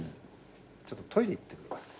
ちょっとトイレ行ってくる。